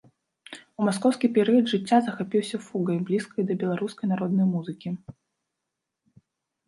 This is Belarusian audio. У маскоўскі перыяд жыцця захапіўся фугай, блізкай да беларускай народнай музыкі.